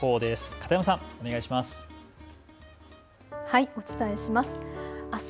片山さん、お願いします。